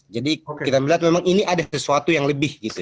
jadi kita melihat memang ini ada sesuatu yang lebih